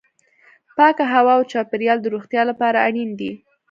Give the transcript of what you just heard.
پاکه هوا او چاپیریال د روغتیا لپاره اړین دي.